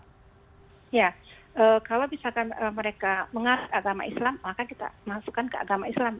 ya kalau misalkan mereka mengarah agama islam maka kita masukkan ke agama islam